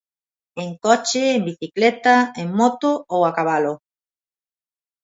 En coche, en bicicleta, en moto ou a cabalo.